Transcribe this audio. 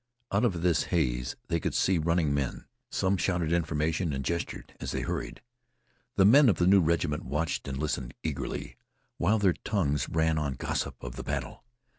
Out of this haze they could see running men. Some shouted information and gestured as they hurried. The men of the new regiment watched and listened eagerly, while their tongues ran on in gossip of the battle.